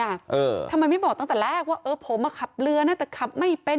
เออทำไมไม่บอกตั้งแต่แรกว่าเออผมอ่ะขับเรือนะแต่ขับไม่เป็น